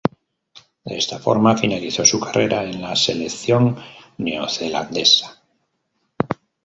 De esta forma finalizó su carrera en la selección neozelandesa.